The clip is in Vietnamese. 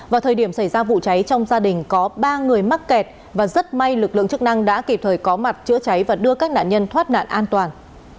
vào thời điểm xảy ra vụ cháy trong gia đình có ba người mắc kẹt và rất may lực lượng chức năng đã kịp thời có mặt chữa cháy và đưa các nạn nhân thoát nạn an toàn